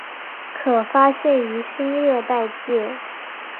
可发现于新热带界。